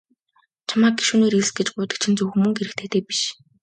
Чамайг гишүүнээр элс гэж гуйдаг чинь зөвхөн мөнгө хэрэгтэйдээ биш.